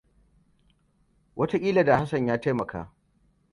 Wataƙila da Hassan ya taimaka.